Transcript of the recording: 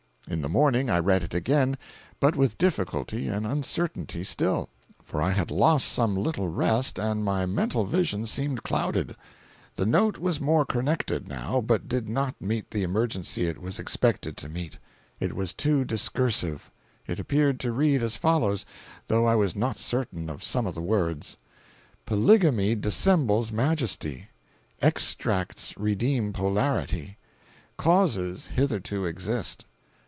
"In the morning I read it again, but with difficulty and uncertainty still, for I had lost some little rest and my mental vision seemed clouded. The note was more connected, now, but did not meet the emergency it was expected to meet. It was too discursive. It appeared to read as follows, though I was not certain of some of the words: "Polygamy dissembles majesty; extracts redeem polarity; causes hitherto exist.